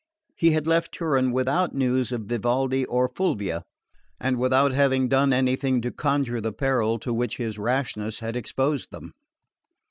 He had left Turin without news of Vivaldi or Fulvia, and without having done anything to conjure the peril to which his rashness had exposed them.